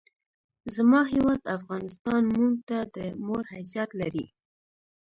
زما هېواد افغانستان مونږ ته د مور حیثیت لري!